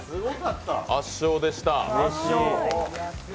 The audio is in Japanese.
圧勝でした。